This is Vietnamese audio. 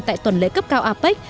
tại tuần lễ cấp cao apec